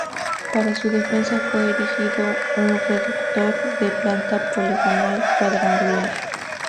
Para su defensa, fue erigido un reducto de planta poligonal cuadrangular.